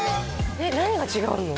えっ何が違うの？